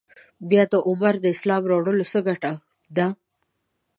بیا د عمر د اسلام راوړلو څه ګټه ده.